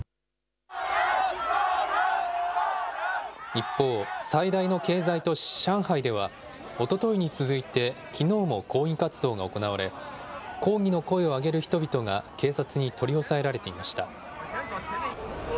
一方、最大の経済都市、上海では、おとといに続いてきのうも抗議活動が行われ、抗議の声を上げる人々が警察に取り押さえられていました。